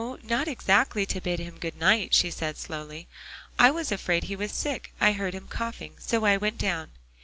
"No, not exactly to bid him good night," she said slowly. "I was afraid he was sick; I heard him coughing, so I went down."